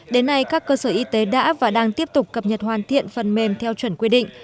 đến nay các cơ sở y tế đã và đang tiếp tục cập nhật hoàn thiện phần mềm theo chuẩn quy định